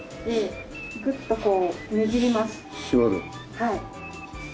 はい。